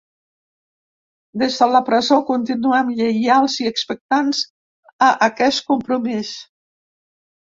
Des de la presó, continuem lleials i expectants a aquest compromís.